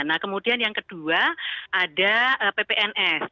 nah kemudian yang kedua ada ppns